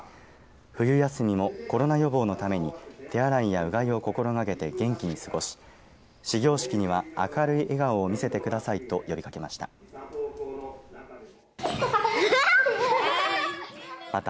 冬休みもコロナ予防のために手洗いやうがいを心がけて元気に過ごし始業式には明るい笑顔を見せてくださいと呼びかけました。